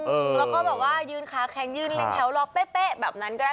แล้วก็แบบว่ายืนขาแข็งยืนเรียงแถวรอเป๊ะแบบนั้นก็ได้